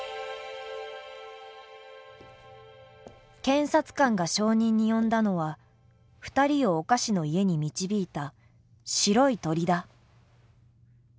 検察官が証人に呼んだのは２人をお菓子の家に導いた白い鳥だ。